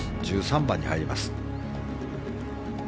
１３番に入ります。